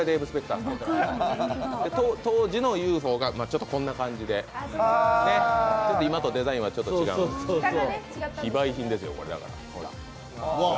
当時のＵ．Ｆ．Ｏがこんな感じで今とデザインはちょっと違うんです、非売品ですよ。